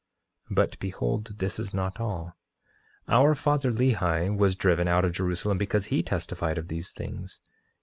But behold, this is not all— 8:22 Our father Lehi was driven out of Jerusalem because he testified of these things.